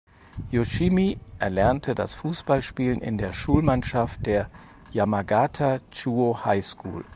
Yoshimi erlernte das Fußballspielen in der Schulmannschaft der "Yamagata Chuo High School".